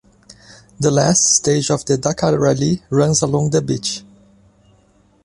The last stage of the Dakar Rally runs along the beach.